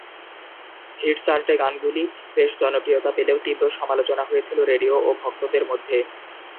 Hit চার্টে গানগুলি বেশ জনপ্রিয়তা পেলেও তীব্র সমালোচনা হয়েছিল রেডিও ও ভক্তদের মধ্যে।